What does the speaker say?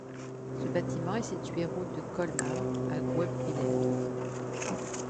Ce bâtiment est situé route de Colmar à Guebwiller.